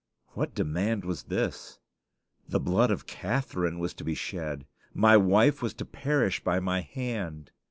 What demand was this? The blood of Catharine was to be shed! My wife was to perish by my hand!